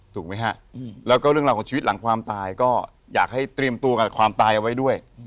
ถูกไหมฮะแล้วก็เรื่องราวของชีวิตหลังความตายก็อยากให้เตรียมตัวกับความตายเอาไว้ด้วย